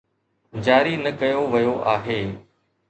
جاري نه ڪيو ويو آهي.